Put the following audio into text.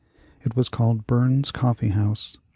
It was called Burns's Coffee House.